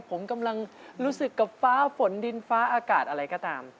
ผมกำลังรู้สึกกับฟ้าฝนดินฟ้าอากาศอะไรก็ตาม